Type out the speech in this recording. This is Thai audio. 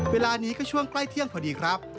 เวลานี้ก็ช่วงใกล้เที่ยงพอดีครับ